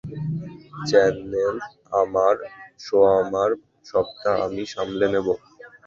Channel আমার, show আমার, সবটা আমি সামলে নেব।